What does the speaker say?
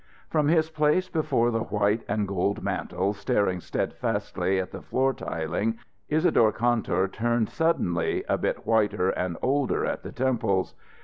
From his place before the white and gold mantel, staring steadfastly at the floor tiling, Isadore Kantor turned suddenly, a bit whiter and older at the temples.